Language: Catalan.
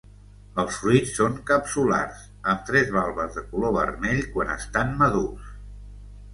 Els fruits són capsulars amb tres valves de color vermell quan estan madurs.